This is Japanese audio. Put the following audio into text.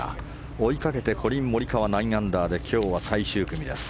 追いかけてコリン・モリカワ、９アンダーで今日は最終組です。